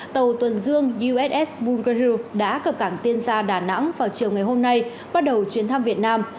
tàu tuần dương uss bunker hill đã cập cảng tiên ra đà nẵng vào chiều ngày hôm nay bắt đầu chuyến thăm việt nam